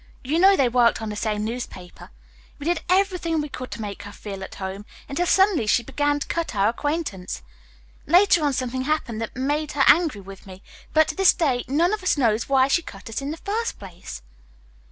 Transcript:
You know they worked on the same newspaper. We did everything we could to make her feel at home, until suddenly she began to cut our acquaintance. Later on something happened that made her angry with me, but to this day none of us knows why she cut us in the first place."